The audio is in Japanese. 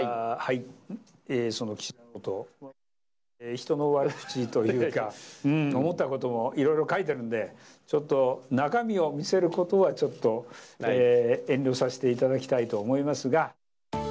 人の悪口というか、思ったこともいろいろと書いてるんで、ちょっと、中身を見せることは、ちょっと、遠慮させていただきたいと思いますが。